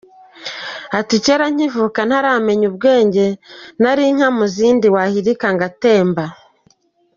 Ati kera nkivuka ntaramenya ubwenge nari inka mu zindi wahirika ngatemba.